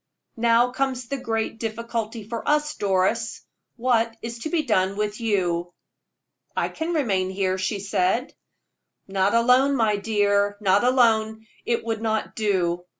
Now comes the great difficulty of all, Doris what is to be done with you?" "I can remain here," she said. "Not alone, my dear, not alone it would not do.